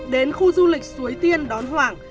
đến khu du lịch suối tiên đón hoàng